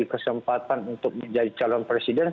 kesempatan untuk menjadi calon presiden